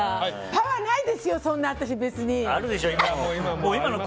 パワーないですよ、私、別に。